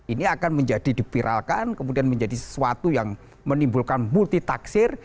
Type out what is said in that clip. ini akan menjadi dipiralkan kemudian menjadi sesuatu yang menimbulkan multitaksir